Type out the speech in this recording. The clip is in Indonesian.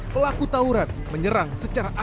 pelaku tauran menyerang secara alami